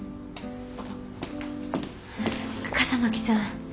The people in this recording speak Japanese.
笠巻さん。